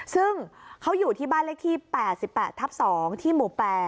ซึ่งเขาอยู่ที่บ้านเลขที่๘๘ทับ๒ที่หมู่๘